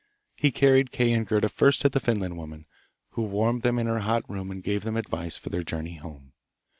He carried Kay and Gerda first to the Finland woman, who warmed them in her hot room and gave them advice for their journey home.